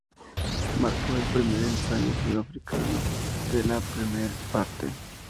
Marcó el primer ensayo sudafricano, en la primera parte.